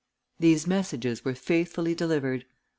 These messages were faithfully delivered.